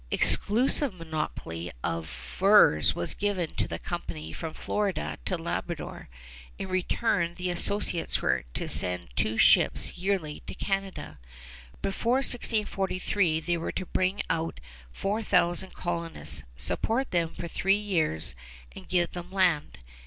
Exclusive monopoly of furs was given to the company from Florida to Labrador. In return the Associates were to send two ships yearly to Canada. Before 1643 they were to bring out four thousand colonists, support them for three years, and give them land.